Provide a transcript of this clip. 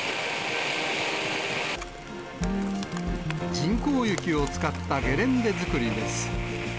人工雪を使ったゲレンデ作りです。